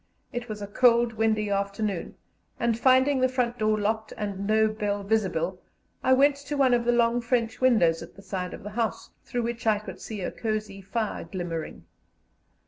It was a cold, windy afternoon, and, finding the front door locked and no bell visible, I went to one of the long French windows at the side of the house, through which I could see a cozy fire glimmering.